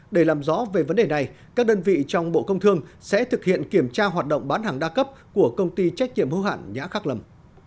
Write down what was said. để làm rõ về vấn đề này các đơn vị trong bộ công thương sẽ thực hiện kiểm tra hoạt động bán hàng đa cấp của công ty trách nhiệm hữu hạn nhã khắc lâm